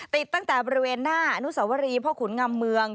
ติดตั้งแต่บริเวณหน้าอนุสวรีพ่อขุนงำเมือง